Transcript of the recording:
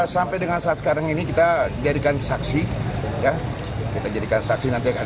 sampai dengan saat sekarang ini kita jadikan saksi kita jadikan saksi nanti akan